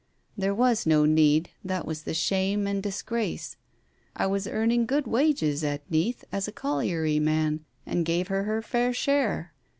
There was no need, that was the shame and disgrace. I was earning good wages at Neath as a colliery man, and gave her her fair share.